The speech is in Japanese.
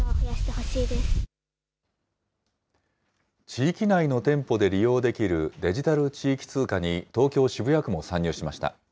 地域内の店舗で利用できるデジタル地域通貨に東京・渋谷区も参入しました。